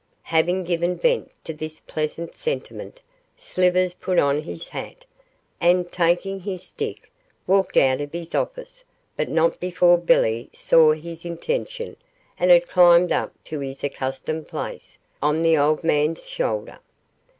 Having given vent to this pleasant sentiment, Slivers put on his hat, and, taking his stick, walked out of his office, but not before Billy saw his intention and had climbed up to his accustomed place on the old man's shoulder.